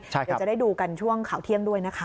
เดี๋ยวจะได้ดูกันช่วงข่าวเที่ยงด้วยนะคะ